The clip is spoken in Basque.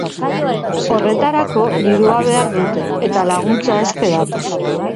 Horretarako dirua behar dute, eta laguntza eske datoz.